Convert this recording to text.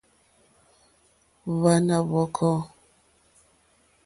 Hwàná ǃhwɔ́kɔ́.